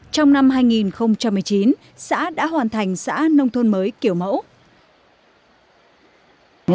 trong năm hai nghìn một mươi chín xã đã hoàn thành xã nông thôn mới kiểu mẫu